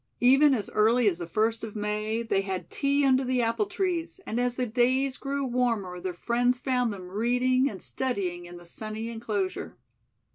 Even as early as the first of May they had tea under the apple trees, and as the days grew warmer their friends found them reading and studying in the sunny enclosure.